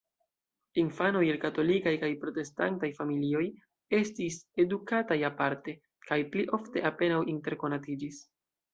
Infanoj el katolikaj kaj protestantaj familioj estis edukataj aparte, kaj pli ofte apenaŭ interkonatiĝis.